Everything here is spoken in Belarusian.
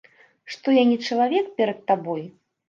Што я не чалавек перад табой?